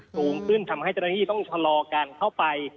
สูงขึ้นทำให้เจรฐธีต้องชะลอการเข้าไป